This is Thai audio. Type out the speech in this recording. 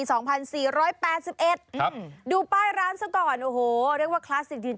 ครับดูป้ายร้านซะก่อนโอ้โหเรียกว่าคลาสสิกจริง